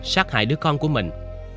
sát hại đứa con của mình